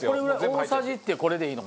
大さじってこれでいいのかな？